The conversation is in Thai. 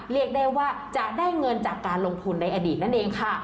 เรียกได้ว่าจะได้เงินจากการลงทุนในอดีตนั่นเองค่ะ